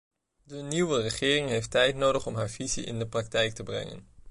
De nieuwe regering heeft tijd nodig om haar visie in de praktijk te brengen.